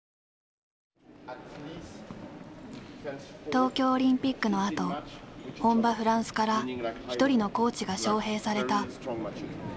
東京オリンピックのあと本場フランスから一人のコーチが招へいされた。